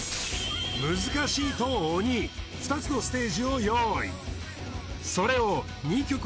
「むずかしい」と「おに」２つのステージを用意